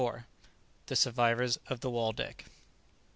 THE SURVIVORS OF THE "WALDECK."